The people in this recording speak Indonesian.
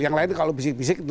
yang lain kalau bisik bisik itu